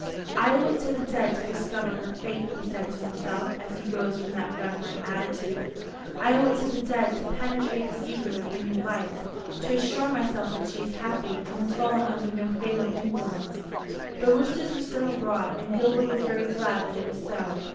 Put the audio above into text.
"I owe it to the dead to discover her fate," he said to himself, as he rose from that reverent attitude. "I owe it to the dead to penetrate the secret of her new life, to assure myself that she is happy, and has fallen under no fatal influence." The Listers were still abroad, and Gilbert was very glad that it was so.